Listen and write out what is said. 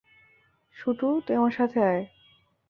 শুটু, তুই আমার সাথে আয়।